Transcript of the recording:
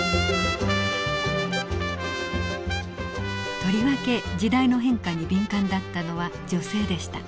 とりわけ時代の変化に敏感だったのは女性でした。